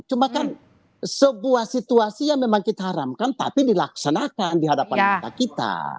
cuma kan sebuah situasi yang memang kita haramkan tapi dilaksanakan di hadapan mata kita